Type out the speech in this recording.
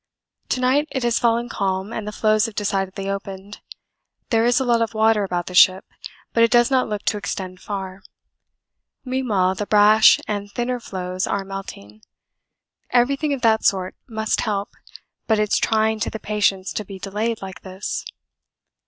To night it has fallen calm and the floes have decidedly opened; there is a lot of water about the ship, but it does not look to extend far. Meanwhile the brash and thinner floes are melting; everything of that sort must help but it's trying to the patience to be delayed like this.